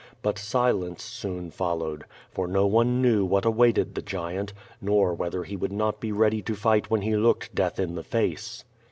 But silence soon followed, for no one knew what awaited the giant, nor whether he would not be ready to fight when he looked death in the face.